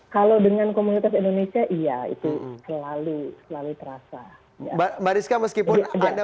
kalau dengan komunitas indonesia iya itu selalu terasa